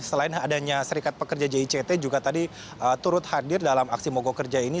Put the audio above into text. selain adanya serikat pekerja jict juga tadi turut hadir dalam aksi mogok kerja ini